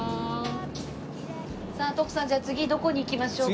さあ徳さんじゃあ次どこに行きましょうか？